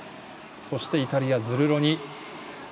そして、イタリア、ズルロニ。